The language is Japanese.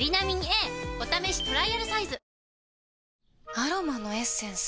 アロマのエッセンス？